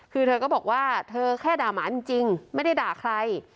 คือเธอก็บอกว่าเธอแค่ด่าหมาจริงไม่ได้ด่าใคร